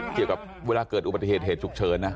เกี่ยวกับเวลาเกิดอุบัติเหตุสุขเชิญ